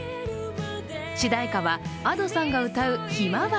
主題歌はＡｄｏさんが歌う「向日葵」。